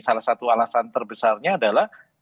salah satu alasan terbesarnya adalah